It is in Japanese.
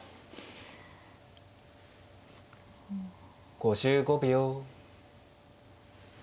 ５５秒。